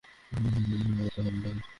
আমাদের তার সাথে দেখা করতে হবে, স্যার।